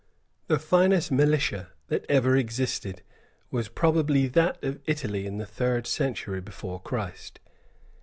The finest militia that ever existed was probably that of Italy in the third century before Christ.